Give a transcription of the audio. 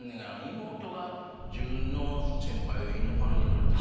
妹が自分の先輩のファンになる。